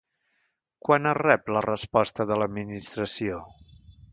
Quan es rep la resposta de l'Administració?